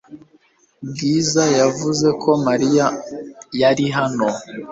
Bwiza yavuze ko Mariya yari hano .